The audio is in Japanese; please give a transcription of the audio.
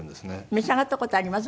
召し上がった事あります？